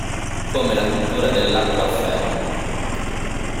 Come la cultura dell'acqua afferma.